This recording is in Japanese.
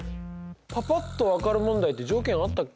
パパっと分かる問題って条件あったっけ？